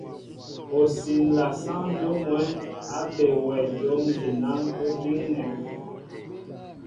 Ó siǹla sáŋ dyów mwɛ̌n á be wɛ jǒm jinán ó díŋnɛ.